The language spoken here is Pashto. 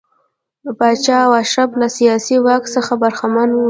پاچا او اشراف له سیاسي واک څخه برخمن وي.